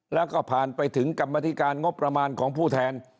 แล้วก็ผ่านไปถึงกรรมธิการงบประมาณของผู้แทน